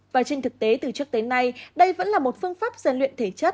và trên thực tế từ trước tới nay đây vẫn là một phương pháp gian luyện thể chất